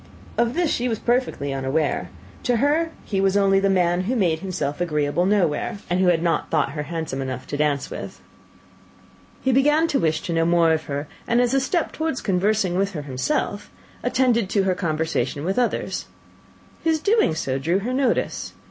Of this she was perfectly unaware: to her he was only the man who made himself agreeable nowhere, and who had not thought her handsome enough to dance with. He began to wish to know more of her; and, as a step towards conversing with her himself, attended to her conversation with others. His doing so drew her notice.